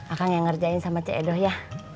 akan nge ngerjain sama cik edho ya